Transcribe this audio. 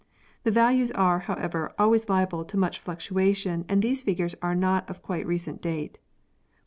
The values are, however, always liable to much fluctuation and these figures are not of quite recent date.